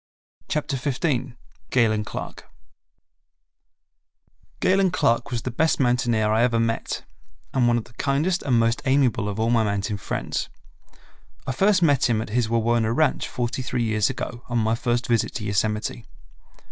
Chapter 15 Galen Clark Galen Clark was the best mountaineer I ever met, and one of the kindest and most amiable of all my mountain friends. I first met him at his Wawona ranch forty three years ago on my first visit to Yosemite.